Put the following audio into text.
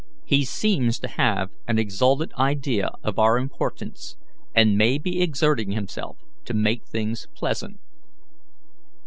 He seems to have an exalted idea of our importance, and may be exerting himself to make things pleasant."